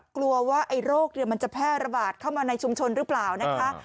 กลัวว่าไอ้โรคมันจะแพร่ระบาดเข้ามาในชุมชนหรือเปล่านะคะ